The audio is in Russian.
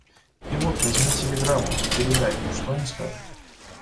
И вот возьми телеграмму, передай, что они скажут.